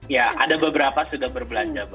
ya ada beberapa sudah berbelanja